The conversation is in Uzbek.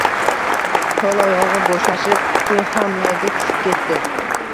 Qo`l oyog`i bo`shashib, quti ham erga tushib ketdi